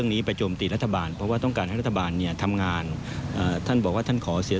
เนี่ยรุ่งปูบอกว่าไม่ต้องเป็นกังวลกับว่าไม่ต้องไปตอบโตรัฐบาล